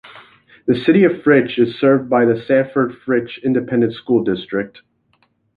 The City of Fritch is served by the Sanford-Fritch Independent School District.